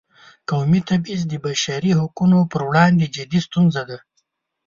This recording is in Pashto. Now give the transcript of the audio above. قومي تبعیض د بشري حقونو پر وړاندې جدي ستونزه ده.